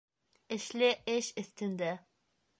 Эшле эш өҫтөндә